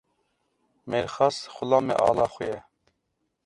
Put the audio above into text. Mêrxas, xulamê ala xwe ye.